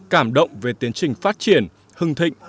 cảm động về tiến trình phát triển hưng thịnh